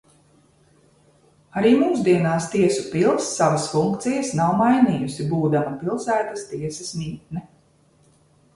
Arī mūsdienās tiesu pils savas funkcijas nav mainījusi, būdama pilsētas tiesas mītne.